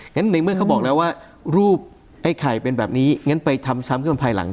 ในเมื่อเขาบอกแล้วว่ารูปไอ้ไข่เป็นแบบนี้งั้นไปทำซ้ำกันภายหลัง